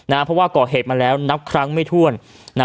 เพราะว่าก่อเหตุมาแล้วนับครั้งไม่ถ้วน